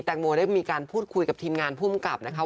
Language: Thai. งโมได้มีการพูดคุยกับทีมงานภูมิกับนะคะ